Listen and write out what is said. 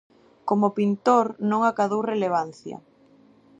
Como pintor non acadou relevancia.